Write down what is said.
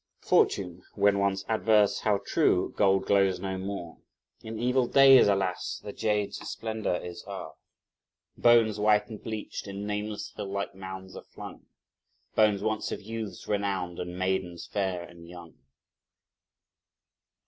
Fortune, when once adverse, how true! gold glows no more! In evil days, alas! the jade's splendour is o'er! Bones, white and bleached, in nameless hill like mounds are flung, Bones once of youths renowned and maidens fair and young.